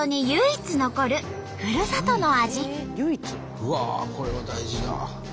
うわこれは大事だ。